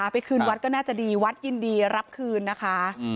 ไปคืนวัดก็น่าจะดีวัดยินดีรับคืนนะคะ